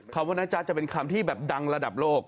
คำว่านะจ๊ะจะเป็นคำที่แบบดังระดับโลก